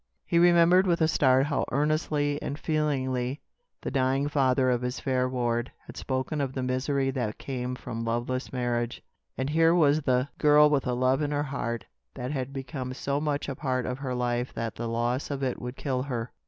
He remembered with a start how earnestly and feelingly the dying father of his fair ward had spoken of the misery that came from loveless marriage. And here was the girl with a love in her heart that had become so much a part of her life that the loss of it would kill her.